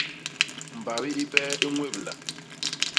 Mbabi i bee i ñwébla.